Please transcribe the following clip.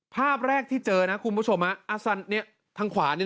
ภาพแรกที่เจอนะคุณผู้ชมน้องอัศนทางขวานนี่นะ